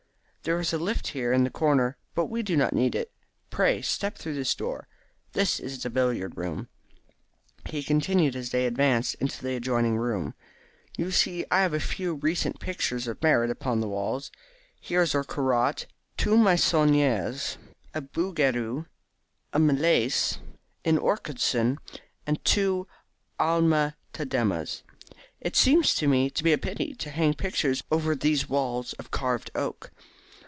There is a lift here in the corner, but we do not need it. Pray step through this door. This is the billiard room," he continued as they advanced into the adjoining room. "You see I have a few recent pictures of merit upon the walls. Here is a Corot, two Meissoniers, a Bouguereau, a Millais, an Orchardson, and two Alma Tademas. It seems to me to be a pity to hang pictures over these walls of carved oak.